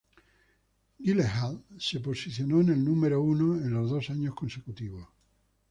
Gyllenhaal se posicionó en el número uno en los dos años consecutivos.